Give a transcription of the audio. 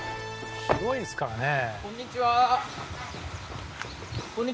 広いですからね